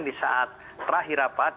di saat terakhir rapat